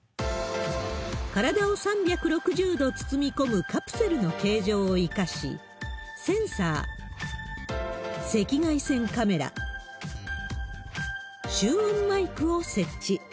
体を３６０度包み込むカプセルの形状を生かし、センサー、赤外線カメラ、集音マイクを設置。